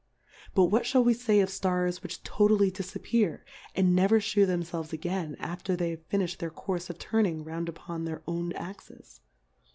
But what fliall we fay of Stars, which totally difappear, and ne ver fliew themfelves again after they have finilh'd their Courfe of turning round upon their own Axis